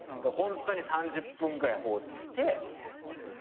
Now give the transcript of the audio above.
ホントに３０分ぐらい放置して。